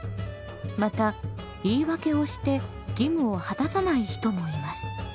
また言い訳をして義務を果たさない人もいます。